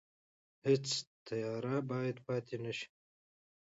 هیڅ تیاره باید پاتې نه شي.